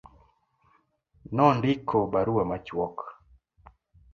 Nondiko barua machuok.